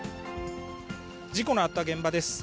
事故のあった現場です。